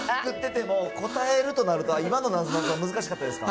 答えるとなると、今のなぞなぞは難しかったですか？